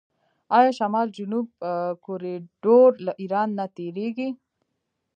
آیا شمال جنوب کوریډور له ایران نه تیریږي؟